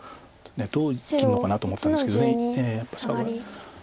どう生きるのかと思ったんですけど。